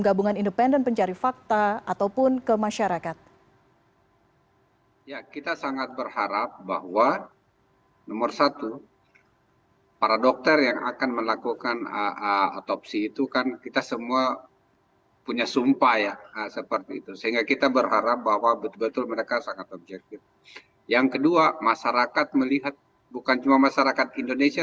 yang kedua masyarakat melihat bukan cuma masyarakat indonesia